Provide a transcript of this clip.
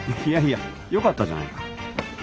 いやいやよかったじゃないか。